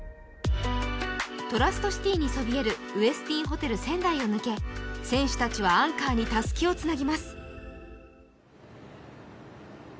トラストシティにそびえるウェスティンホテル仙台を抜け選手たちはアンカーにたすきをつなぎます。